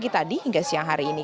pagi tadi hingga siang hari ini